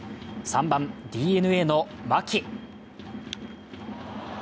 ３番・ＤｅＮＡの牧。